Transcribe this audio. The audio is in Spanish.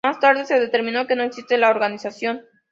Más tarde, se determinó que no existía la organización.